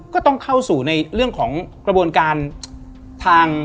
ก็ต้องเข้าสู่ในเรื่องของกระบวนการทาง